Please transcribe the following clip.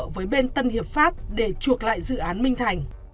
với bên tân hiệp pháp để chuộc lại dự án minh thành